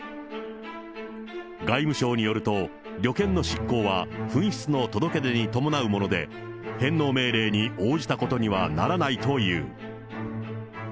外務省によると、旅券の失効は紛失の届け出に伴うもので、返納命令に応じたことにはならないという。